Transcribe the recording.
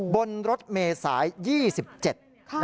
บนรถเมษายี่สิบเจ็ด